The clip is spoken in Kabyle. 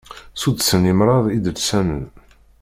Suddsen irmad idelsanen.